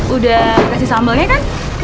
udah kasih sambalnya kan